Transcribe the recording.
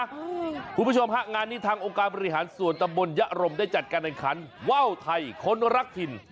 คุณผู้ชมฮะงานนี้ทางองค์การบริหารส่วนตำบลยะรมได้จัดการแห่งขันว่าวไทยคนรักถิ่น